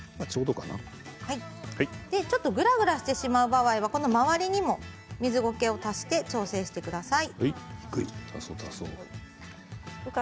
ぐらぐらしてしまう場合は周りにも水ゴケを足して調整してください。